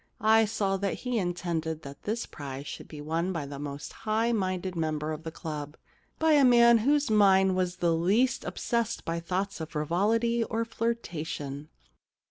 I saw that he intended that this prize should be won by the most high minded member of the club — by the man whose mind was the least obsessed by thoughts of frivolity or flirtation.'